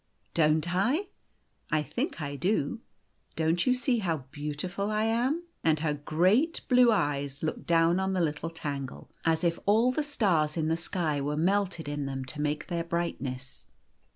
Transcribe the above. " Don't I ? I think I do. Don't you see how beau tiful I am ?" And her great blue eyes looked down on the little Tangle, as if all the stars in the sky were melted in them to make their brightness.